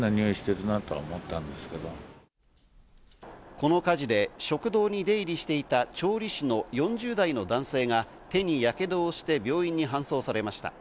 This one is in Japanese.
この火事で食堂に出入りしていた調理師の４０代の男性が手にやけどをして病院に搬送されました。